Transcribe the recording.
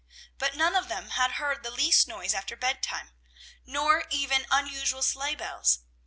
But none of them had heard the least noise after bedtime, nor even unusual sleigh bells.